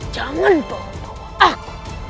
jangan bawa aku